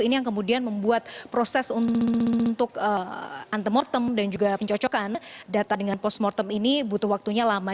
ini yang kemudian membuat proses untuk antemortem dan juga pencocokan data dengan post mortem ini butuh waktunya lama